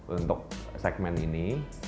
untuk segmen ini